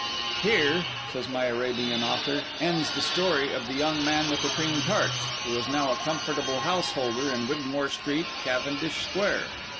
Here (says my Arabian author) ends The Story of the Young Man with the Cream Tarts, who is now a comfortable householder in Wigmore Street, Cavendish Square.